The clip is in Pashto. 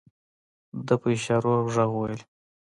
ده په اشارو او غږ وويل.